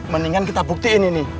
mendingan kita buktiin ini